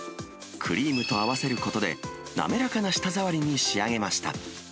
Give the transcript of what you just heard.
クリームと合わせることで滑らかな舌触りに仕上げました。